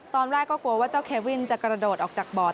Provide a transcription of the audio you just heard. ตอนแรกก็กลัวว่าเจ้าเควินจะกระโดดออกจากบอร์ด